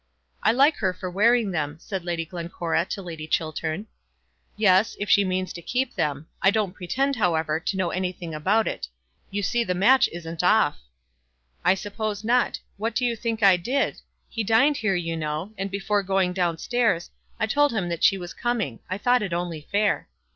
"I like her for wearing them," said Lady Glencora to Lady Chiltern. "Yes; if she means to keep them. I don't pretend, however, to know anything about it. You see the match isn't off." "I suppose not. What do you think I did? He dined here, you know, and, before going down stairs, I told him that she was coming. I thought it only fair."